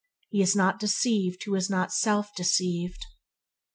He is not deceived who is not self deceived.